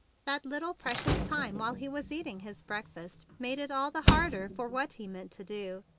That little precious time while he was eating his breakfast made it all the harder for what he meant to do.